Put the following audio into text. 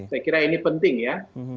saya kira ini penting ya